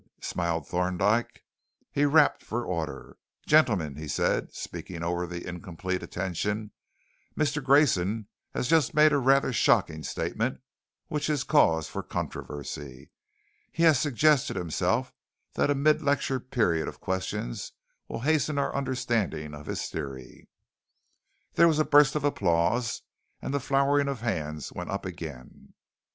smiled Thorndyke. He rapped for order. "Gentlemen," he said, speaking over the incomplete attention, "Mister Grayson has just made a rather shocking statement, which is cause for controversy. He has suggested himself that a mid lecture period of questions will hasten our understanding of his theory." There was a burst of applause and the flowering of hands went up again.